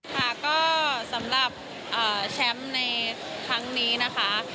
ค่ะก็สำหรับแชมป์ในครั้งนี้นะคะ